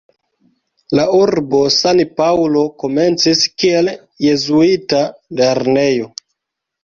Urbo San-Paŭlo komencis kiel jezuita lernejo.